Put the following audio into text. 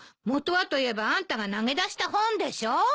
本はといえばあんたが投げ出した本でしょ。